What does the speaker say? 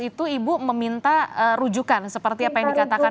itu ibu meminta rujukan seperti apa yang dikatakan